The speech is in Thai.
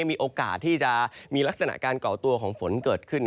มีโอกาสที่จะมีลักษณะการก่อตัวของฝนเกิดขึ้น